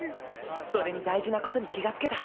それに大事なことに気がつけた。